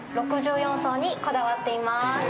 ６４層にこだわっています。